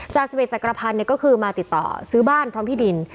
จาก๑๑จักรพันธ์ก็คือมาติดต่อซื้อบ้านพร้อมที่ดิน